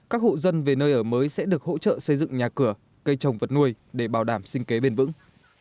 các hộ dân về nơi ở mới sẽ được hỗ trợ xây dựng nhà cửa cây trồng vật nuôi để bảo đảm sinh kế bền vững